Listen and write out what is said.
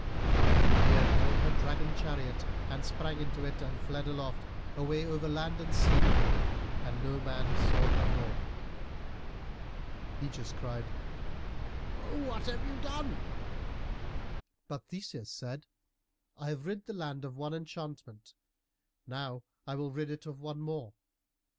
And Medeia called her dragon chariot, and sprang into it, and fled aloft, away over land and sea, and no man saw her more. [Illustration: THESEUS LOOKED UP INTO HER FAIR FACE.] Ægeus cried, "What have you done?" But Theseus said, "I have rid the land of one enchantment, now I will rid it of one more."